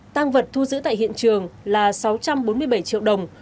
tăng vật thu giữ tại hiện trường là sáu trăm bốn mươi bảy triệu đồng